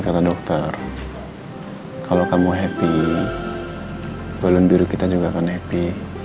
kata dokter kalau kamu happy balon biru kita juga akan happy